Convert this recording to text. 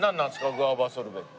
グァバソルベって。